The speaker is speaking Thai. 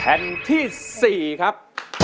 แผ่นที่๔ครับ